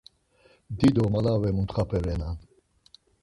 Dido malave muntxape renan.